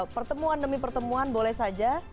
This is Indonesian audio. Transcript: pertemuan demi pertemuan boleh saja